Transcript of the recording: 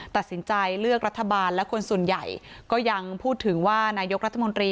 ตัดสินใจเลือกรัฐบาลและคนส่วนใหญ่ก็ยังพูดถึงว่านายกรัฐมนตรี